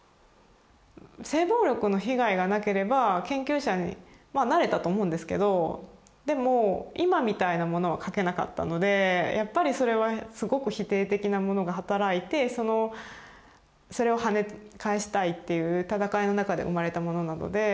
性暴力の被害がなければ研究者にまあなれたと思うんですけどでも今みたいなものは書けなかったのでやっぱりそれはすごく否定的なものが働いてそれをはね返したいっていう闘いの中で生まれたものなので。